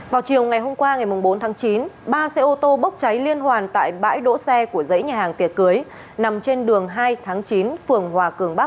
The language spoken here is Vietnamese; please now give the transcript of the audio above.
vào chiều ngày hôm qua ngày bốn tháng chín ba xe ô tô bốc cháy liên hoàn tại bãi đỗ xe của giấy nhà hàng tiệc cưới nằm trên đường hai tháng chín